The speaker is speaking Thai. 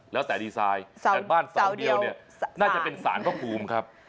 แล้วแต่ดีไซน์แต่บ้านสองเดียวเนี่ยน่าจะเป็นสารพระภูมิครับ